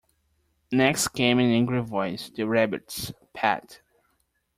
Next came an angry voice—the Rabbit’s—‘Pat’!